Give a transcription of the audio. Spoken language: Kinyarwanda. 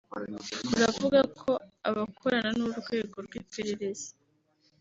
uravuga ko abakorana n’Urwego rw’Iperereza